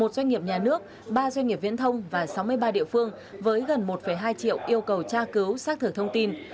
một doanh nghiệp nhà nước ba doanh nghiệp viễn thông và sáu mươi ba địa phương với gần một hai triệu yêu cầu tra cứu xác thử thông tin